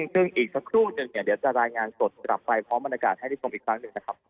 ซึ่งอีกสักครู่นึงเนี่ยเดี๋ยวจะรายงานสดกลับไปพร้อมบรรยากาศให้ได้ชมอีกครั้งหนึ่งนะครับ